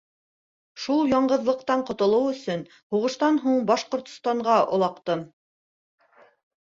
Шул яңғыҙлыҡтан ҡотолоу өсөн һуғыштан һуң Башҡортостанға олаҡтым.